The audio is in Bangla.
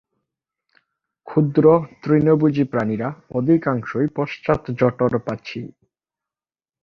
ক্ষুদ্র তৃণভোজী প্রাণীরা অধিকাংশই পশ্চাত-জঠর-পাচী।